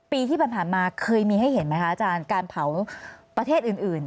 ปีที่ผ่านมาเคยมีให้เห็นไหมคะอาจารย์การเผาประเทศอื่น